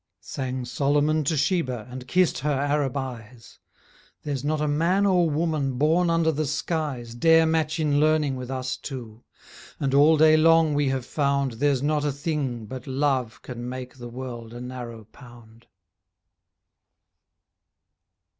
Sang Solomon to Sheba, And kissed her Arab eyes, 'There's not a man or woman Born under the skies Dare match in learning with us two, And all day long we have found There's not a thing but love can make The world a narrow pound.'